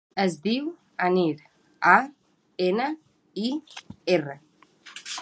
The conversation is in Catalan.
Es diu Anir: a, ena, i, erra.